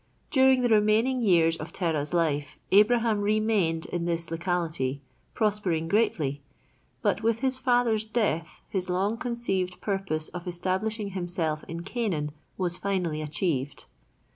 During the remaining years of Terah's life, Abraham remained in this locality, prospering greatly; but with his father's death his long conceived purpose of establishing himself in Canaan was finally achieved.